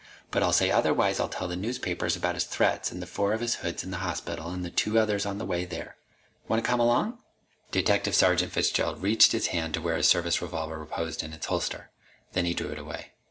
But I'll say otherwise I'll tell the newspapers about his threats and the four of his hoods in the hospital and the two others on the way there. Want to come along?" Detective Sergeant Fitzgerald reached his hand to where his service revolver reposed in its holster. Then he drew it away.